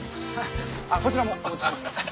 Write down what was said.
あっこちらもお持ちします。